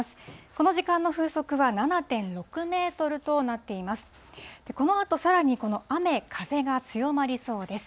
この時間の風速は７．６メートルとなっています。